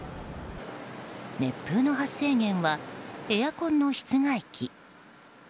熱風の発生源はエアコンの室外機。